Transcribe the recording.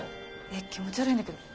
え気持ち悪いんだけど。